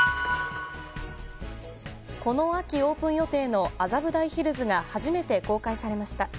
この秋、オープン予定の麻布台ヒルズが初めて公開されました。